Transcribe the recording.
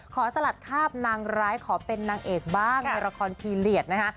สลัดคาบนางร้ายขอเป็นนางเอกบ้างในละครพีเรียสนะคะ